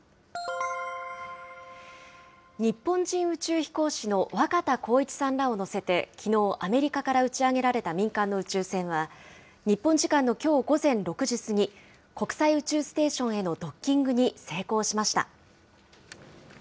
日本人宇宙飛行士の若田光一さんらを乗せてきのう、アメリカから打ち上げられた民間の宇宙船は、日本時間のきょう午前６時過ぎ、国際宇宙ステーションへのドッキングに成功しました。